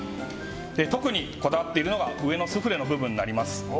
特にこだわっているのが上のスフレの部分になります。